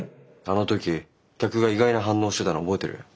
あの時客が意外な反応してたの覚えてる？